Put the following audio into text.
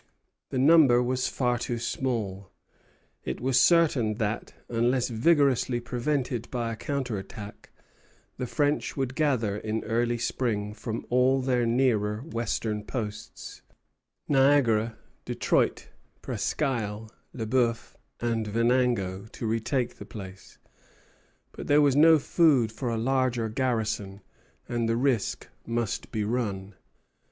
The number was far too small. It was certain that, unless vigorously prevented by a counter attack, the French would gather in early spring from all their nearer western posts, Niagara, Detroit, Presquisle, Le Bœuf, and Venango, to retake the place; but there was no food for a larger garrison, and the risk must be run.